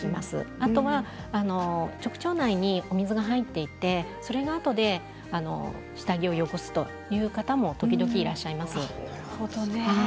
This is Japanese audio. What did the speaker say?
あとは直腸内にお水が入っていって、それがあとで下着を汚すという方も時々いらっしゃいます。